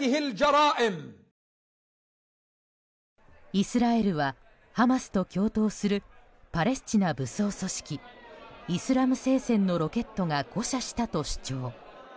イスラエルはハマスと共闘するパレスチナ武装組織イスラム聖戦のロケットが誤射したと主張。